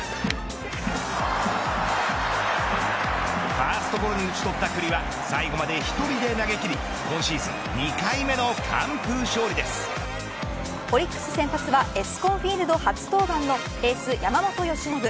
ファーストゴロに打ち取った九里は最後まで１人で投げ切り今シーズン２回目のオリックス先発はエスコンフィールド初登板のエース、山本由伸。